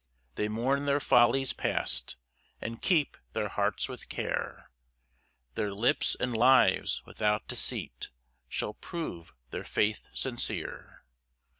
2 They mourn their follies past, And keep their hearts with care; Their lips and lives without deceit, Shall prove their faith sincere.